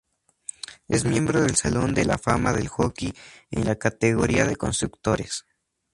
Es miembro del Salón de la Fama del Hockey en la categoría de constructores.